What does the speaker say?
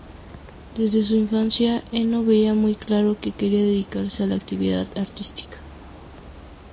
Desde su infancia, Eno veía muy claro que quería dedicarse a la actividad artística.